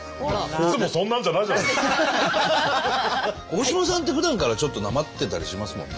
大島さんってふだんからちょっとなまってたりしますもんね。